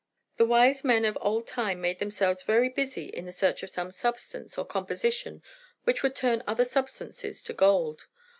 "The wise men of old time made themselves very busy in the search for some substance, or composition, which would turn other substances to gold.